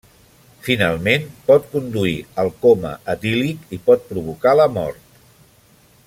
Finalment, pot conduir al coma etílic i pot provocar la mort.